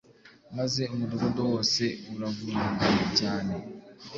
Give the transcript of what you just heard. Maze umudugudu wose uravurungana cyane